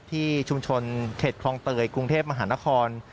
ที่ชุมชนเขตคลองเตยกรุงเทพมหานคร